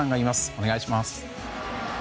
お願いします。